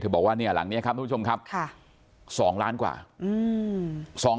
บอกว่าเนี่ยหลังนี้ครับทุกผู้ชมครับ๒ล้านกว่าอืม